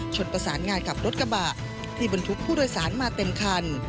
ประสานงานกับรถกระบะที่บรรทุกผู้โดยสารมาเต็มคัน